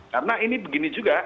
karena ini begini juga